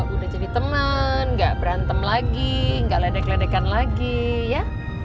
udah jadi teman gak berantem lagi nggak ledek ledekan lagi ya